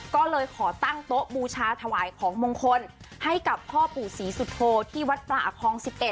ก็เลยขอตั้งโต๊ะบูชาถวายของมงคลให้กับพ่อปู่ศรีสุโธที่วัดป่าคลอง๑๑